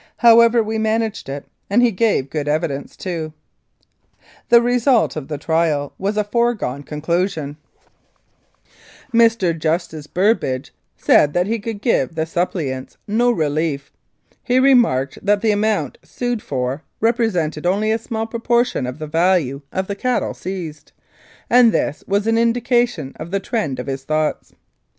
However, we managed it, and he gave good evidence, too. The result of the trial was a foregone conclusion, and 179 Mounted Police Life in Canada Mr. Justice Burbridge said he could give the suppliants no relief. He remarked that the amount sued for re presented only a small proportion of the value of the cattle seized, and this was an indication of the trend of his thoughts.